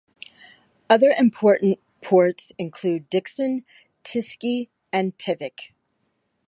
Other important ports include Dikson, Tiksi, and Pevek.